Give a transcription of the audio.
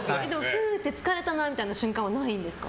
ふーって疲れたなみたいな瞬間はないんですか。